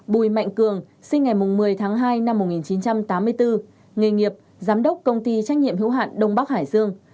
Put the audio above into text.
năm bùi mạnh cường sinh ngày một mươi tháng hai năm một nghìn chín trăm tám mươi hai nghề nghiệp nguyên giám đốc công ty đông bắc hải dương